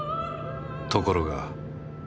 ところが